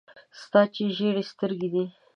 ستا چي ژېري سترګي دې دي .